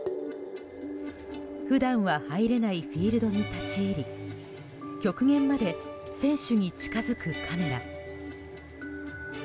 普段は入れないフィールドに立ち入り極限まで選手に近づくカメラ。